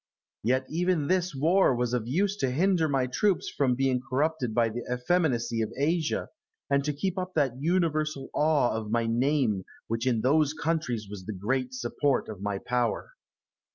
Yet even this war was of use to hinder my troops from being corrupted by the effeminacy of Asia, and to keep up that universal awe of my name which in those countries was the great support of my power.